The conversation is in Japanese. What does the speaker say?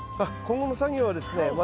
あっ今後の作業はですね